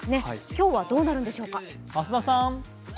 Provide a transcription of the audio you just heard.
今日はどうなるんでしょうか？